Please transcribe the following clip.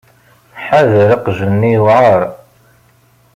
Ḥader aqjun-nni yewɛer.